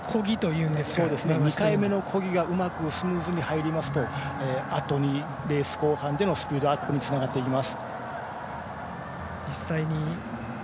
２回目のこぎがうまくスムーズに入るとレース後半でのスピードアップにつながっていきます。